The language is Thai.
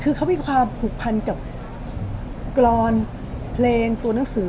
คือเขามีความผูกพันกับกรอนเพลงตัวหนังสือ